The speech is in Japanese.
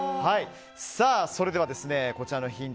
さあ、それではこちらのヒント